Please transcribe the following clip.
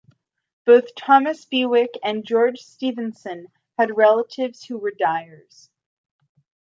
Both Thomas Bewick and George Stephenson had relatives who were dyers.